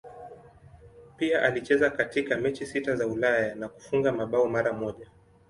Pia alicheza katika mechi sita za Ulaya na kufunga bao mara moja.